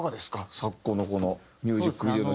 昨今のこのミュージックビデオの事情。